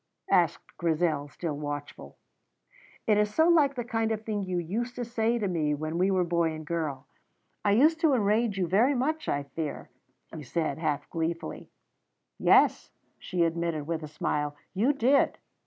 asked Grizel, still watchful. "It is so like the kind of thing you used to say to me when we were boy and girl. I used to enrage you very much, I fear," he said, half gleefully. "Yes," she admitted, with a smile, "you did."